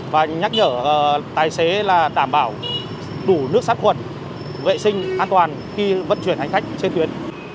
và nhắc nhở tài xế là đảm bảo đủ nước sát khuẩn vệ sinh an toàn khi vận chuyển hành khách trên tuyến